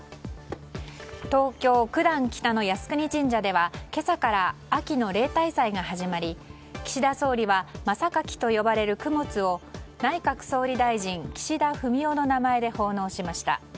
東京・九段北の靖国神社では今朝から秋の例大祭が始まり岸田総理は真榊と呼ばれる供物を内閣総理大臣・岸田文雄の名前で奉納しました。